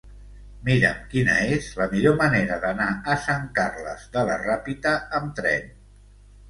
Mira'm quina és la millor manera d'anar a Sant Carles de la Ràpita amb tren.